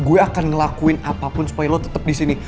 gue akan ngelakuin apapun supaya lo tetep disini